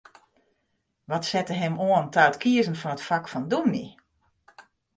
Wat sette him oan ta it kiezen fan it fak fan dûmny?